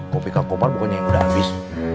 kopi kak kumar pokoknya udah habis